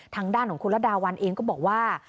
ทางด้านของคุณระดาวันเองก็บอกว่า